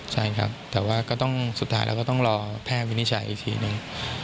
ใช่ครับแต่ว่าสุดท้ายเราก็ต้องรอแพร่วินิจัยอีกทีนึง